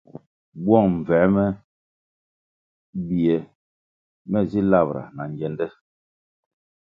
Bwong mbvuē me bie ne zi labʼra na ngyende.